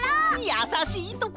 やさしいところ！